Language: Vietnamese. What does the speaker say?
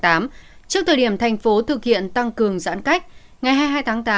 trước thời điểm thành phố thực hiện tăng cường giãn cách ngày hai mươi hai tháng tám